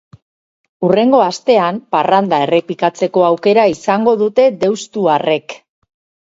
Hurrengo astean parranda errepikatzeko aukera izango dute deustuarrek.